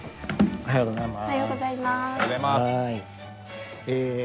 おはようございます。